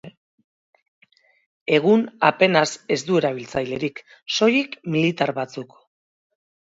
Egun apenas ez du erabiltzailerik, soilik militar batzuk.